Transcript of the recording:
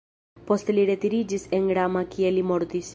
Poste li retiriĝis en Rama kie li mortis.